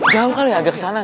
jauh kali ya agak kesana